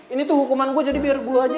ini tuh hukuman gue jadi biar gue aja